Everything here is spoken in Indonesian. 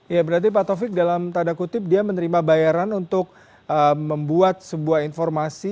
ya berarti pak taufik dalam tanda kutip dia menerima bayaran untuk membuat sebuah informasi